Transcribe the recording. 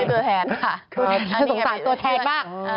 สงสัยตัวแทนมาก